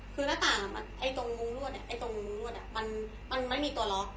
คือหน้าต่างไอ้ตรงมุงรวดไอ้ตรงมุงรวดมันไม่มีตัวล็อค